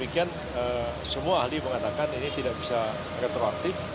demikian semua ahli mengatakan ini tidak bisa retroaktif